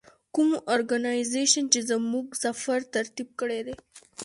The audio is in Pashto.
کوم ارګنایزیشن چې زموږ سفر ترتیب کړی دی.